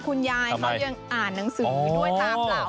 คุณยายเขายังอ่านหนังสือด้วยตาเปล่า